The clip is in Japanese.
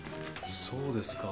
そうですか。